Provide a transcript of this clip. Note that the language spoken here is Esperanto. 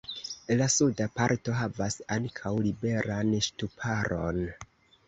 La suda parto havas ankaŭ liberan ŝtuparon.